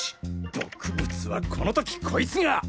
毒物はこの時こいつが！？